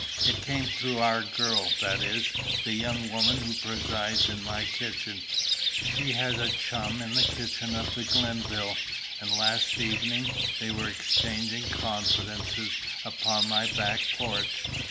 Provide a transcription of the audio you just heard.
It came through our 'girl,' that is, the young woman who presides in my kitchen; she has a chum in the kitchen of the Glenville, and last evening they were exchanging confidences upon my back porch.